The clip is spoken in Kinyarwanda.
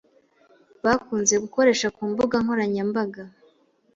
bakunze gukoresha kumbuga nkoranyambaga